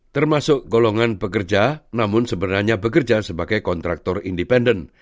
termasuk golongan pekerja namun sebenarnya bekerja sebagai kontraktor independen